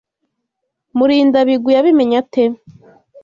Murindabigwi yabimenye ate?